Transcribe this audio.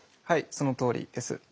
はいそのとおりです。